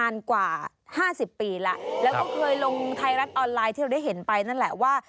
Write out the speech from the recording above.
แล้วก็เคยลงไทรัตต์ออนไลน์ที่เราได้เห็นไปนั่นแหละว่า